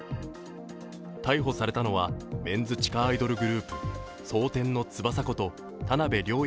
逮捕されたのはメンズ地下アイドルグループ蒼天の翼こと田辺稜弥